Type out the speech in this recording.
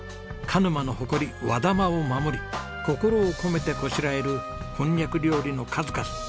鹿沼の誇り和玉を守り心を込めてこしらえるこんにゃく料理の数々。